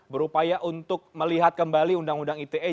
berupaya untuk melihat kembali undang undang ite